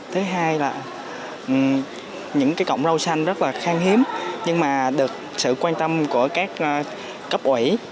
thứ hai là những cái cọng rau xanh rất là khang hiếm nhưng mà được sự quan tâm của các cấp ủy